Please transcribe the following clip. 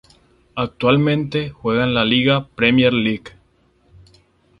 Actualmente juega en la Liga Premier de Ucrania.